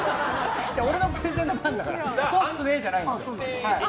俺のプレゼンなんだからそうっすねじゃないんですよ。